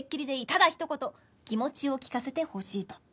ただひと言気持ちを聞かせてほしいと。